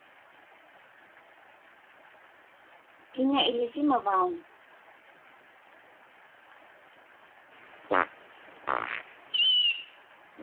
Kiña iḷisamavauŋ?